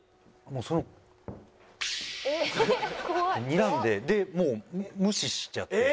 にらんでもう無視しちゃって。